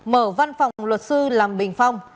mở văn phòng luật sư làm bình phong